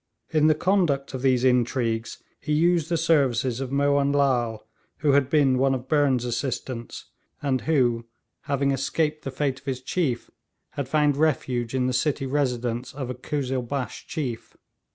In the conduct of these intrigues he used the services of Mohun Lal, who had been one of Burnes' assistants, and who, having escaped the fate of his chief, had found refuge in the city residence of a Kuzzilbash chief.